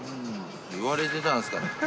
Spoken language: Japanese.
言われてたんですかね。